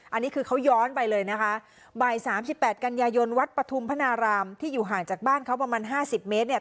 อันนี้คือเขาย้อนไปเลยนะคะบ่ายสามสิบแปดกันยายนวัดปฐุมพนารามที่อยู่ห่างจากบ้านเขาประมาณห้าสิบเมตรเนี่ย